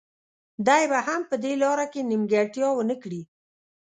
دی به هم په دې لاره کې نیمګړتیا ونه کړي.